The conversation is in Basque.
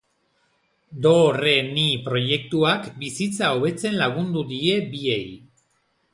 Do, re, ni proiektuak bizitza hobetzen lagundu die biei.